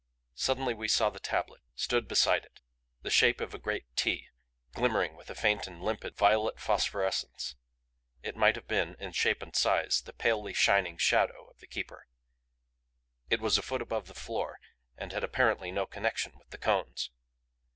Suddenly we saw the tablet; stood beside it. The shape of a great T, glimmering with a faint and limpid violet phosphorescence, it might have been, in shape and size, the palely shining shadow of the Keeper. It was a foot above the floor, and had apparently no connection with the cones.